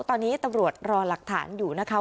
ตอนนี้ตำรวจรอหลักฐานอยู่นะคะ